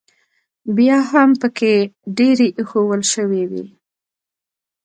بیا هم پکې ډېرې ایښوول شوې وې.